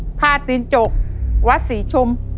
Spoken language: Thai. รอยกระทงผ้าตีนจกวัดศรีชุมครับ